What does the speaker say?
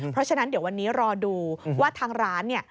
เพราะฉะนั้นเดี๋ยววันนี้รอดูว่าทางร้านเนี่ย